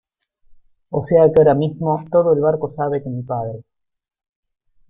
o sea, que ahora mismo todo el barco sabe que mi padre